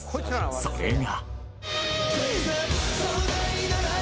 それが